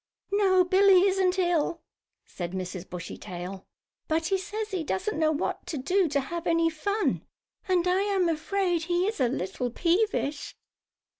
"No, Billie isn't ill," said Mrs. Bushytail. "But he says he doesn't know what to do to have any fun, and I am afraid he is a little peevish."